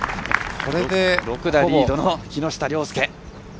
６打リードの木下稜介。